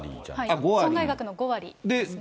損害額の５割ですね。